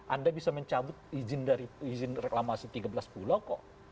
anda bisa mencabut izin dari izin reklamasi tiga belas pulau kok